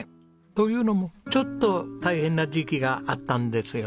というのもちょっと大変な時期があったんですよね。